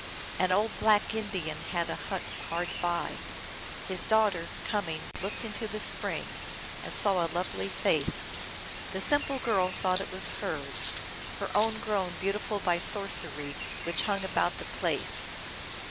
An old black Indian had a hut hard by. His daughter, coming, looked into the spring, and saw a lovely face. The simple girl thought it was hers, her own grown beautiful by sorcery which hung about the place.